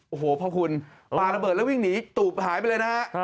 โอ้โหพอคุณปลาระเบิดแล้ววิ่งหนีตูบหายไปเลยนะฮะ